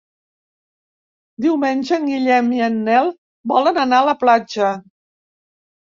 Diumenge en Guillem i en Nel volen anar a la platja.